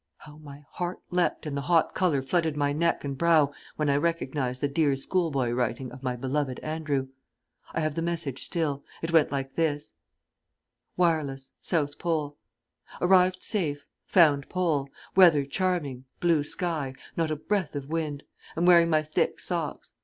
How my heart leapt and the hot colour flooded my neck and brow when I recognised the dear schoolboy writing of my beloved Andrew! I have the message still. It went like this: "Wireless South Pole. Arrived safe. Found Pole. Weather charming. Blue sky. Not a breath of wind. Am wearing my thick socks.